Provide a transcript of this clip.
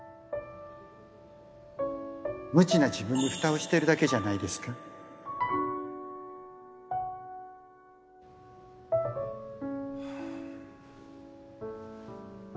無知な自分にふたをしてるだけじゃないですか？ハァ。